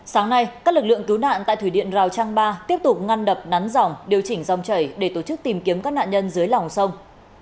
sáng nay các lực lượng cứu nạn tại thủy điện rào trang ba tiếp tục ngăn đập nắn dòng điều chỉnh dòng chảy để tổ chức tìm kiếm các nạn nhân dưới lòng sông